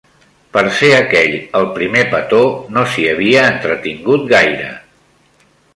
Per ser aquell el primer petó, no s'hi havia entretingut gaire.